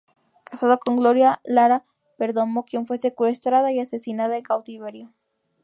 Casado con Gloria Lara Perdomo, quien fue secuestrada y asesinada en cautiverio.